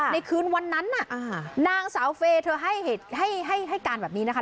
ในคืนวันนั้นน่ะนางสาวเฟย์เธอให้การแบบนี้นะคะ